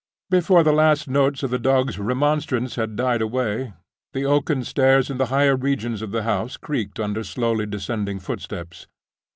Before the last notes of the dog's remonstrance had died away, the oaken stairs in the higher regions of the house creaked under slowly descending footsteps.